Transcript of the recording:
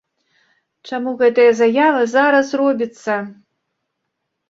Чаму гэтая заява зараз робіцца?